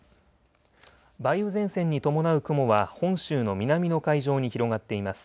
梅雨前線に伴う雲は本州の南の海上に広がっています。